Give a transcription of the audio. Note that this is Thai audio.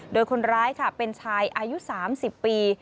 โดยคนร้ายค่ะเป็นชายอายุ๓๐ปี